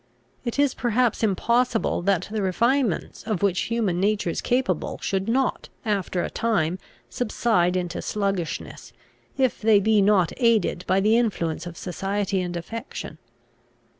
It is perhaps impossible that the refinements of which human nature is capable should not, after a time, subside into sluggishness, if they be not aided by the influence of society and affection.